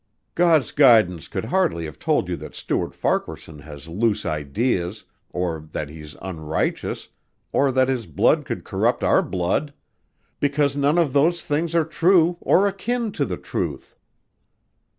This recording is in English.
"God's guidance could hardly have told you that Stuart Farquaharson has loose ideas or that he's unrighteous or that his blood could corrupt our blood because none of those things are true or akin to the truth."